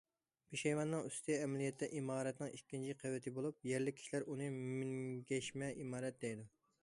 پېشايۋاننىڭ ئۈستى، ئەمەلىيەتتە، ئىمارەتنىڭ ئىككىنچى قەۋىتى بولۇپ، يەرلىك كىشىلەر ئۇنى مىنگەشمە ئىمارەت، دەيدۇ.